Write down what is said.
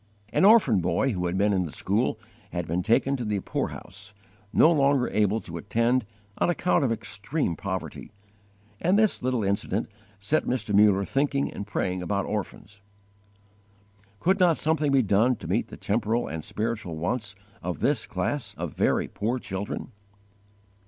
_ An orphan boy who had been in the school had been taken to the poorhouse, no longer able to attend on account of extreme poverty; and this little incident set Mr. Muller thinking and praying about orphans. Could not something be done to meet the temporal and spiritual wants of this class of very poor children?